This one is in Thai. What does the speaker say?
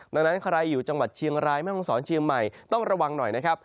ดังนั้นใครอยู่จังหวัดเชียงรายแม่ห้องศรเชียงใหม่ต้องระวังหน่อยนะครับ